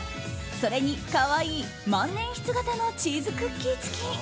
それに可愛い万年筆形のチーズクッキー付き。